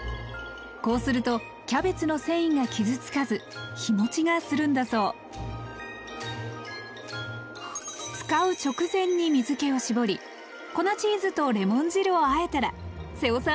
こうするとキャベツの繊維が傷つかず日もちがするんだそう使う直前に水けを絞り粉チーズとレモン汁をあえたら瀬尾さん